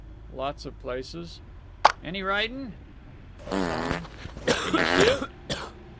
"Lots of places." "Any ridin'?" "Some." "Can you shoot?"